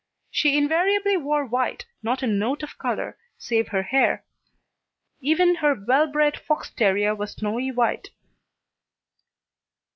She invariably wore white, not a note of colour, save her hair; even her well bred fox terrier was snowy white.